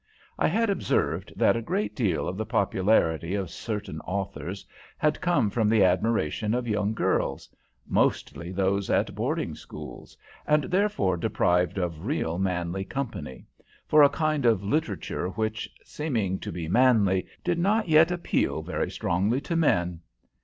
I had observed that a great deal of the popularity of certain authors had come from the admiration of young girls mostly those at boarding school, and therefore deprived of real manly company for a kind of literature which, seeming to be manly, did not yet appeal very strongly to men.